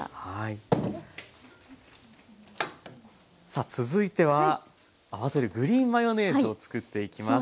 さあ続いてはあわせるグリーンマヨネーズを作っていきます。